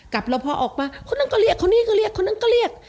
กลับแล้วพอออกมาคนนั้นก็เรียกคนนี้ก็เรียกคนนั้นก็เรียก